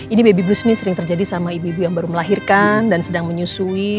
ini baby brushy sering terjadi sama ibu ibu yang baru melahirkan dan sedang menyusui